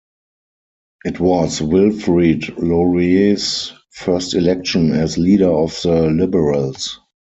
It was Wilfrid Laurier's first election as leader of the Liberals.